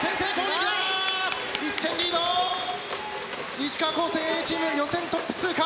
石川高専Ａチーム予選トップ通過。